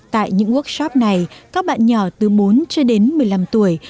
tại những workshop này các bạn nhỏ từ bốn cho đến một mươi năm tuổi